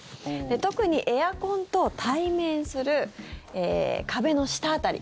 特にエアコンと対面する壁の下辺り。